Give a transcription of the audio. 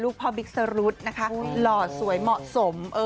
พ่อบิ๊กสรุธนะคะหล่อสวยเหมาะสม